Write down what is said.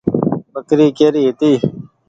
ٻڪري ڪيري هيتي۔